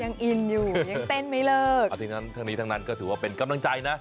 ยังอินอยู่แต่เมื่อเลยอาการนี้ทั้งนั้นก็ถือว่าเป็นกำลังใจนะ